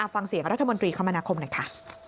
ฟังเสียงรัฐมนตรีคมนาคมหน่อยค่ะ